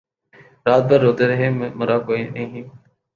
رات بھر روتے رہے مرا کوئی نہیں